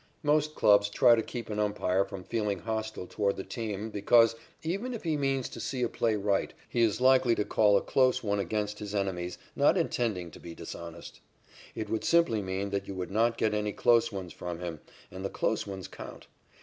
Most clubs try to keep an umpire from feeling hostile toward the team because, even if he means to see a play right, he is likely to call a close one against his enemies, not intending to be dishonest. It would simply mean that you would not get any close ones from him, and the close ones count.